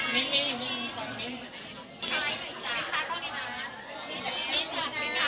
มิ้นทร์คับเขานะ